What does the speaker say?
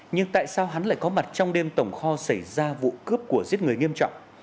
nhưng tại sao hắn lại có mặt trong đêm tổng kho xảy ra vụ cướp của giết người nghiêm trọng